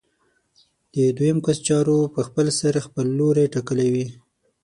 د دویم کس چارو په خپلسر خپل لوری ټاکلی وي.